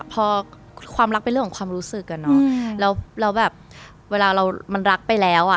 พอความรักเป็นเรื่องของความรู้สึกอะเนาะแล้วแบบเวลาเรามันรักไปแล้วอ่ะ